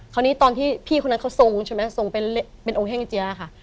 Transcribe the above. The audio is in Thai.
ตอนที่พี่คนนั้นเขาทรงใช่ไหมทรงเป็นองค์แห้งเจี๊ยค่ะ